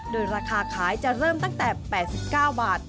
โดยราคาขายจะเริ่มตั้งแต่๘๙บาท